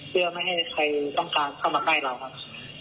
เพื่อไม่ให้ใครต้องการเข้ามาใกล้เราครับ